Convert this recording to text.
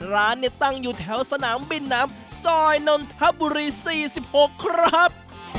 ร้านเนี่ยตั้งอยู่แถวสนามบินน้ำซอยนนทบุรี๔๖ครับ